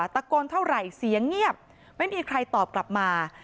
ตะโกนเท่าไหร่เสียงเงียบไม่มีใครตอบกลับมา